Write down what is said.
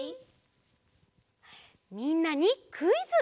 みんなにクイズ！